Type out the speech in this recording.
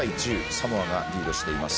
サモアがリードしています。